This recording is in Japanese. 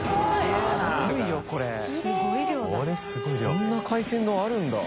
こんな海鮮丼あるんだ。